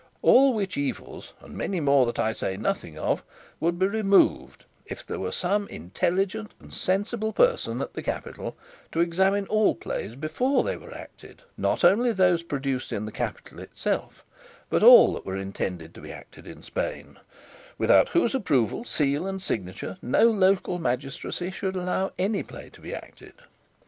All which evils, and many more that I say nothing of, would be removed if there were some intelligent and sensible person at the capital to examine all plays before they were acted, not only those produced in the capital itself, but all that were intended to be acted in Spain; without whose approval, seal, and signature, no local magistracy should allow any play to be acted.